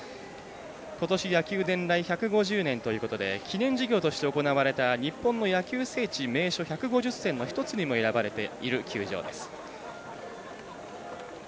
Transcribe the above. ことし野球伝来１５０年ということで記念事業として行われた日本野球聖地・名所１５０選の一つに選ばれている球場です。